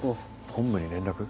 本部に連絡？